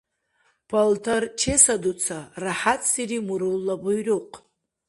- Палтар чесадуца, - рахӀятсири мурулла буйрухъ.